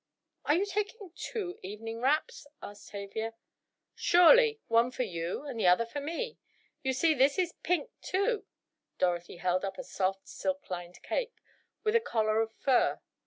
"Are you taking two evening wraps?" asked Tavia. "Surely, one for you and the other for me. You see this is pink too," Dorothy held up a soft, silk lined cape, with a collar of fur.